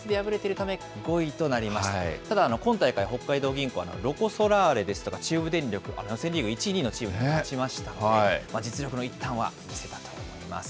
ただ、今大会、北海道銀行はロコ・ソラーレですとか中部電力、予選リーグ１位２位のチームに勝ちましたんで、実力の一端は見せたと思います。